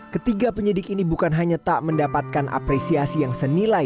ketiga penyidik ini bukan hanya tak mendapatkan apresiasi yang senilai